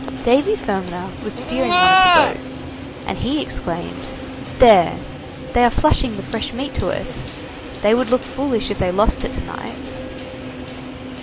Davy Fermaner was steering one of the boats, and he exclaimed: "There, they are flashing the fresh meat to us. They would look foolish if they lost it to night."